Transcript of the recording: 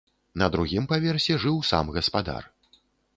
На другім паверсе жыў сам гаспадар.